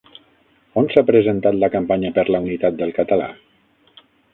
On s'ha presentat la campanya per la unitat del català?